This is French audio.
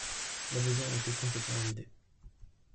La maison a été complètement vidée.